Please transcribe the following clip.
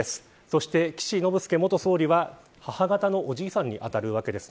そして岸信介元総理は母方のおじいさんに当たるわけです。